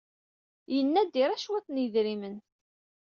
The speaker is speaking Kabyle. Yenna-d ira cwiṭ n yedrimen.